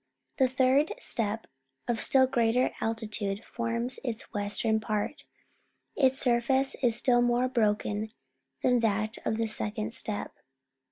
A third steppe of still greater altitude forms its western part. Its surface is still more broken than that of the second steppe.